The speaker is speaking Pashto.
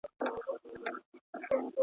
د ټولو ورور دی له بازاره سره لوبي کوي.